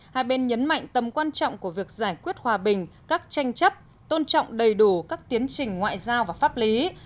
hai bên nhấn mạnh tầm quan trọng của việc giải quyết hòa bình các tranh chấp tôn trọng đầy đủ các tiến trình ngoại giao và pháp lý